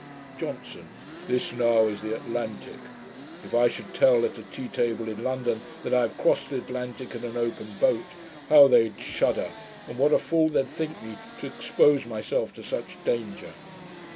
JOHNSON. 'This now is the Atlantick. If I should tell at a tea table in London, that I have crossed the Atlantick in an open boat, how they'd shudder, and what a fool they'd think me to expose myself to such danger.'